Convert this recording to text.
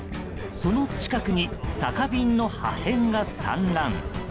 その近くに酒瓶の破片が散乱。